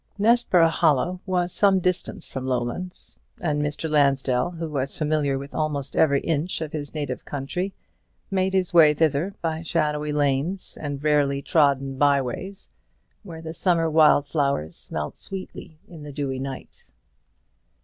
Nessborough Hollow was some distance from Lowlands; and Mr. Lansdell, who was familiar with almost every inch of his native county, made his way thither by shadowy lanes and rarely trodden by ways, where the summer wild flowers smelt sweetly in the dewy night.